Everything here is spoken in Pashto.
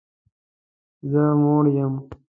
زه موړ یم